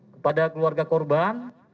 kepada keluarga korban